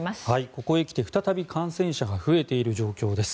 ここに来て再び感染者が増えている状況です。